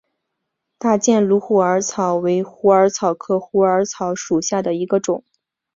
打箭炉虎耳草为虎耳草科虎耳草属下的一个种。